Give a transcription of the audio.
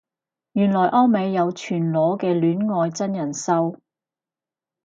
原來歐美有全裸嘅戀愛真人騷